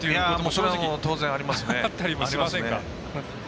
それは当然ありますね。